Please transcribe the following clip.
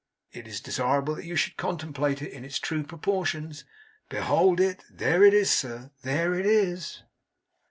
It is desirable that you should contemplate it in its true proportions. Behold it! There it is, sir. There it is!